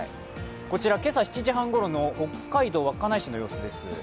こちら今朝７時半ごろの北海道稚内市です。